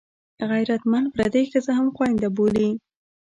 غیرتمند پردۍ ښځه هم خوینده بولي